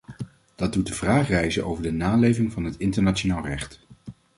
Dat doet de vraag rijzen over de naleving van het internationaal recht.